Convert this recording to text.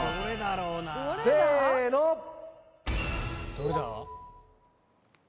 どれだ？